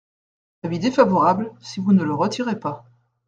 Avis défavorable, si vous ne le retirez pas.